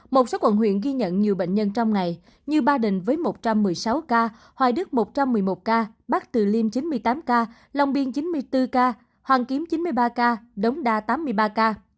một số quận huyện ghi nhận nhiều bệnh nhân trong ngày như ba đình với một trăm một mươi sáu ca hoài đức một trăm một mươi một ca bắc từ liêm chín mươi tám ca long biên chín mươi bốn ca hoàn kiếm chín mươi ba ca đống đa tám mươi ba ca